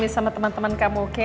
sama teman teman kamu oke